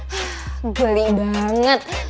hah geli banget